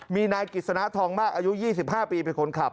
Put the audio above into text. มีนายกิจสนาธองมากอายุยี่สิบห้าปีเป็นคนขับ